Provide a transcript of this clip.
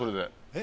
え？